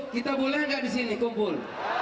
kita boleh gak disini kumpul